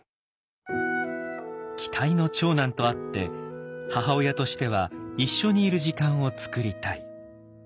期待の長男とあって母親としては一緒にいる時間を作りたい。